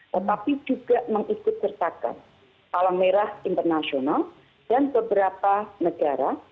tetapi juga mengikut sertakan palang merah internasional dan beberapa negara